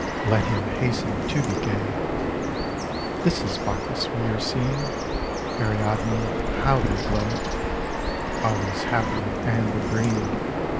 Let him hasten to be gay ! This is Bacchus we are seeing, Ariadne — ^how they glow I Always happy and agreeing.